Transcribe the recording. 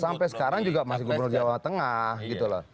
sampai sekarang juga masih gubernur jawa tengah gitu loh